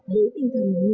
đối tinh thần như